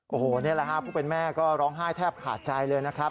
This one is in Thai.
โอ้โหนี่แหละฮะผู้เป็นแม่ก็ร้องไห้แทบขาดใจเลยนะครับ